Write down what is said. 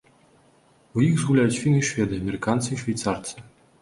У іх згуляюць фіны і шведы, амерыканцы і швейцарцы.